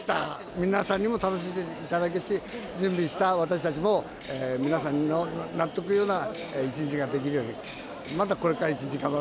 皆さんにも楽しんでいただくし、準備した私たちも皆さんの納得いくような一日ができるように。